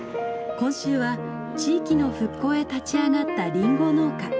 今週は地域の復興へ立ち上がったリンゴ農家。